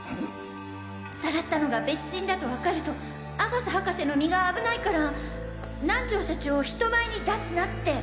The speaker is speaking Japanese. さらったのが別人だとわかると阿笠博士の身が危ないから南條社長を人前に出すなって！